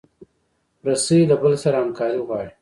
رسۍ له بل سره همکاري غواړي.